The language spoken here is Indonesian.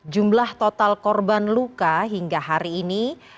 jumlah total korban luka hingga hari ini